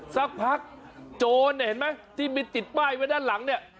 สักพักโจรเนี่ยเห็นไหมที่มีติดป้ายไว้ด้านหลังเนี่ย